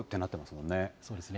そうですね。